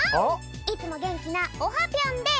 いつもげんきなオハぴょんです！